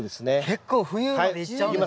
結構冬までいっちゃうんですね。